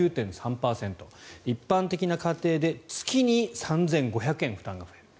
一般的な家庭で月に３５００円負担が増える。